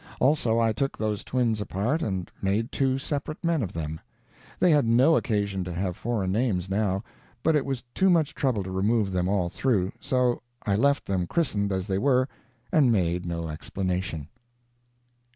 Also I took those twins apart and made two separate men of them. They had no occasion to have foreign names now, but it was too much trouble to remove them all through, so I left them christened as they were and made no explanation.